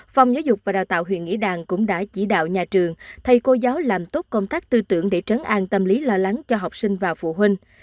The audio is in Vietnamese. phòng giáo dục và đào tạo huyện nghĩa đàn cũng đã chỉ đạo nhà trường thầy cô giáo làm tốt công tác tư tưởng để trấn an tâm lý lo lắng cho học sinh và phụ huynh